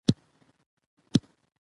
زه په خندا او خوشحالۍ سره ژوند کوم.